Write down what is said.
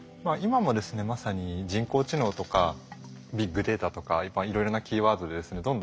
今もですねまさに人工知能とかビッグデータとかいろいろなキーワードでですね